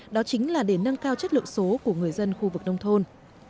đó chính là để nâng cao chất lượng số của người dân khu vực nông thôn